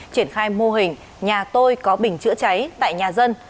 triển khai mô hình nhà tôi có bình chữa cháy tại nhà dân